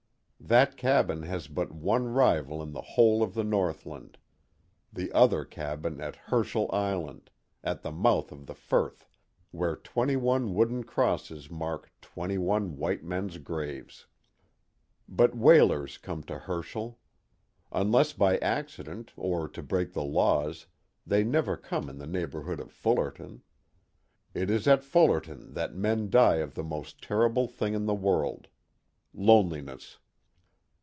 That cabin has but one rival in the whole of the Northland the other cabin at Herschel Island, at the mouth of the Firth, where twenty one wooden crosses mark twenty one white men's graves. But whalers come to Herschel. Unless by accident, or to break the laws, they never come in the neighborhood of Fullerton. It is at Fullerton that men die of the most terrible thing in the world loneliness.